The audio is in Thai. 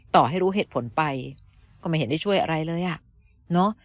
ต่อให้รู้เหตุผลไปก็ไม่เห็นได้ช่วยอะไรเลยอ่ะเนอะ